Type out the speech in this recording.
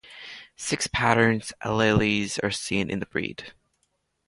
Six patterns alleles are seen in the breed.